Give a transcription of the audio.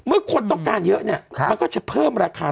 คนต้องการเยอะเนี่ยมันก็จะเพิ่มราคา